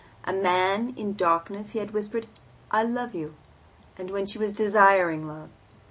A man in the darkness, he had whispered "I love you" when she was desiring love.